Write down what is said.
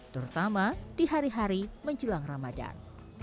terutama di hari hari menjelang ramadan